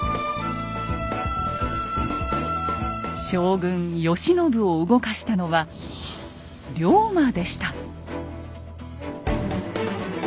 将軍・慶喜を動かしたのは龍馬でした。